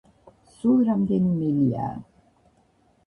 სულ რამდენი მელიაა?